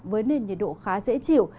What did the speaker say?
với nền nhiệt độ khá dễ chịu